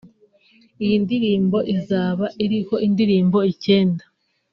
Iyi ndirimbo izaba iriho indirimbo icyenda